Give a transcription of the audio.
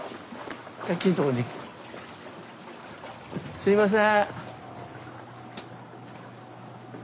すいません。